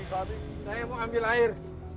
saya mau ambil air